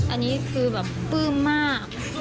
อันนี้คือแบบปลื้มมาก